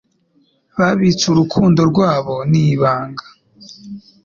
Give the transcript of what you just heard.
Babitse urukundo rwabo n’ibanga